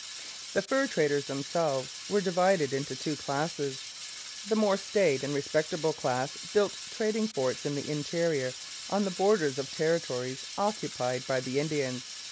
The fur traders themselves were divided into two classes. The more staid and respectable class built trading forts in the interior on the borders of territories occupied by the Indians.